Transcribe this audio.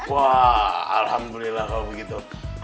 wah alhamdulillah kalau begitu